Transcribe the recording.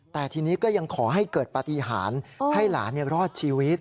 แต่ทีนี้ก็ยังขอให้เกิดปฏิหารให้หลานรอดชีวิต